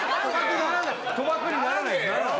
賭博にならないですならない